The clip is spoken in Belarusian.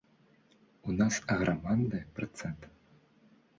У нас аграмадны працэнт.